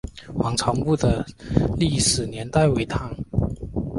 王潮墓的历史年代为唐。